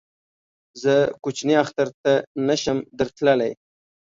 زه کوچني اختر ته نه شم در تللی